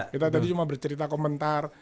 kita tadi cuma bercerita komentar